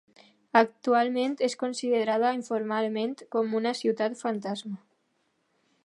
Actualment és considerada informalment com una ciutat fantasma.